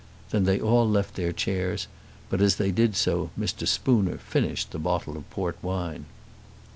Then they all left their chairs, but as they did so Mr. Spooner finished the bottle of port wine.